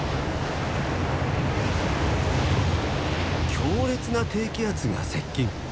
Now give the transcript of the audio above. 強烈な低気圧が接近。